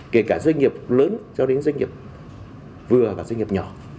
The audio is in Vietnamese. kể cả doanh nghiệp lớn cho đến doanh nghiệp vừa và doanh nghiệp nhỏ